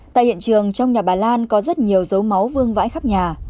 tại hiện trường trong nhà bà lan có rất nhiều dấu máu vương vãi khắp nhà